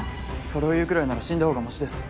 それを言うくらいなら死んだ方がマシです。